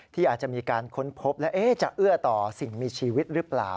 ที่อาจจะมีการค้นพบแล้วจะเอื้อต่อสิ่งมีชีวิตหรือเปล่า